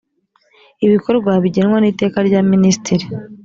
ibikorwa bigenwa n’ iteka rya minisitiri